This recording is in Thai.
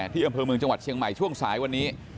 ที่อำเภอเมืองจังหวัดเชียงใหม่ช่วงสายวันนี้